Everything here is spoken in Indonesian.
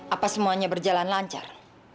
apa semuanya berjalan lancar